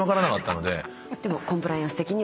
でも。